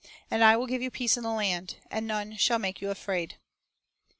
And I will give peace in the land, ... and none shall make you afraid."